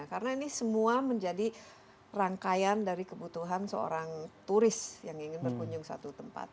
karena ini semua menjadi rangkaian dari kebutuhan seorang turis yang ingin berkunjung ke satu tempat